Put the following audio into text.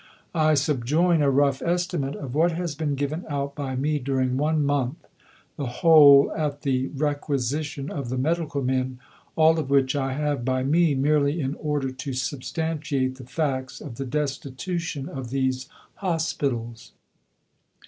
I subjoin a rough estimate of what has been given out by me during one month the whole at the "requisition" of the Medical Men all of which I have by me (merely in order to substantiate the facts of the destitution of these hospitals).